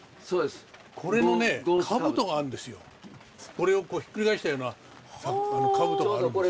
これをひっくり返したような兜があるんですね。